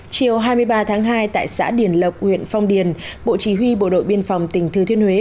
chiều hai mươi ba tháng hai tại xã điển lộc huyện phong điền bộ chỉ huy bộ đội biên phòng tỉnh thừa thiên huế